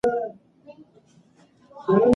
خلک بازار ته د کاروبار لپاره راځي.